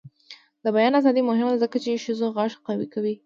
د بیان ازادي مهمه ده ځکه چې ښځو غږ قوي کوي.